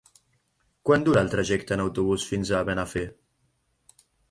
Quant dura el trajecte en autobús fins a Benafer?